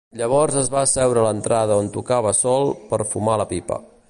Llavors es va asseure a l'entrada on tocava sol per fumar la pipa.